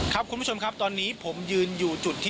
คุณผู้ชมครับตอนนี้ผมยืนอยู่จุดที่